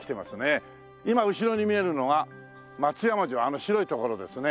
今後ろに見えるのが松山城あの白い所ですね。